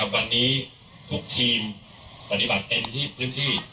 วันนี้ทุกทีมปฏิบัติเต็มที่พื้นที่